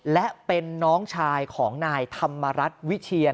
และเป็นน้องชายของนายธรรมรัฐวิเชียน